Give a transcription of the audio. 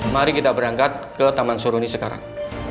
mari kita berangkat ke taman suroni sekarang